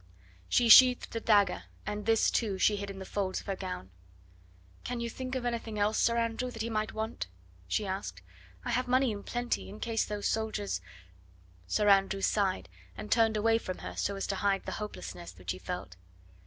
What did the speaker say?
She sheathed the dagger, and this, too, she hid in the folds of her gown. "Can you think of anything else, Sir Andrew, that he might want?" she asked. "I have money in plenty, in case those soldiers " Sir Andrew sighed, and turned away from her so as to hide the hopelessness which he felt.